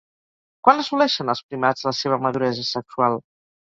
Quan assoleixen els primats la seva maduresa sexual?